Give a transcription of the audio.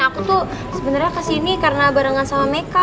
aku tuh sebenarnya kesini karena barengan sama meka